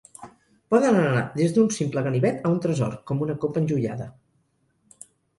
Poden anar des d'un simple ganivet a un tresor, com una copa enjoiada.